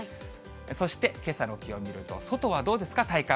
そして、けさの気温見ると、外はどうですか、体感？